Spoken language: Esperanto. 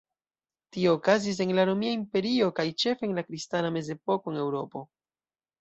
Tio okazis en la Romia Imperio kaj ĉefe en la kristana Mezepoko en Eŭropo.